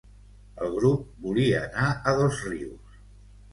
El grup volia anar a Dosrius